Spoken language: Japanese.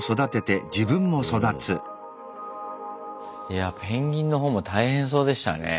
いやペンギンのほうも大変そうでしたね。